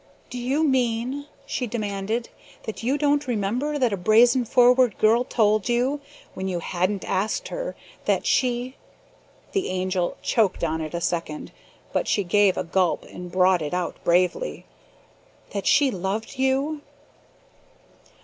"Do you mean," she demanded, "that you don't remember that a brazen, forward girl told you, when you hadn't asked her, that she" the Angel choked on it a second, but she gave a gulp and brought it out bravely "that she loved you?"